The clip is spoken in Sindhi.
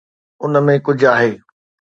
ان ۾ ڪجهه آهي.